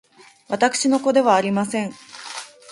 私の子ではありません